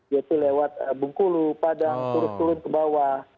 yaitu lewat bungkulu padang turun turun ke bawah